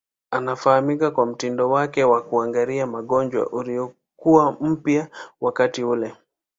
Anafahamika kwa mtindo wake wa kuangalia magonjwa uliokuwa mpya wakati ule.